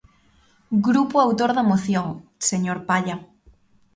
Grupo autor da moción, señor Palla.